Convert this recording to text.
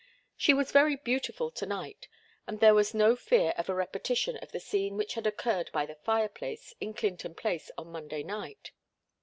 She was very beautiful to night, and there was no fear of a repetition of the scene which had occurred by the fireplace in Clinton Place on Monday night.